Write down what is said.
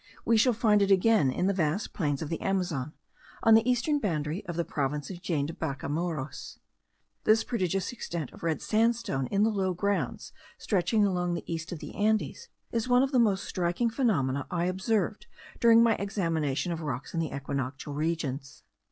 We shall find it again in the vast plains of the Amazon, on the eastern boundary of the province of Jaen de Bracamoros. This prodigious extension of red sandstone in the low grounds stretching along the east of the Andes, is one of the most striking phenomena I observed during my examination of rocks in the equinoctial regions.